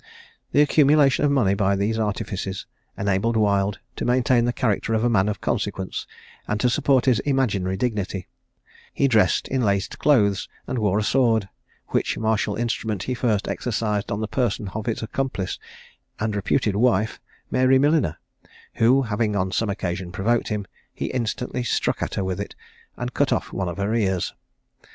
The accumulation of money by these artifices enabled Wild to maintain the character of a man of consequence; and to support his imaginary dignity, he dressed in laced clothes and wore a sword, which martial instrument he first exercised on the person of his accomplice and reputed wife, Mary Milliner, who having on some occasion provoked him, he instantly struck at her with it, and cut off one of her ears.